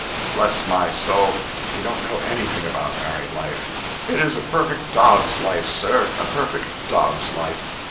Bless my soul, you don't know anything about married life. It is a perfect dog's life, sir—a perfect dog's life.